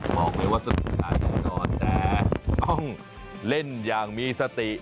บอกเลยว่าสถานการณ์ต่อแต่ต้องเล่นอย่างมีสติ